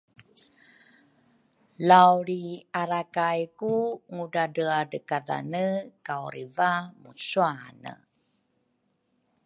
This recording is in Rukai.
lawlriarakai ku ngudradreadrekadhane kawriva muswane.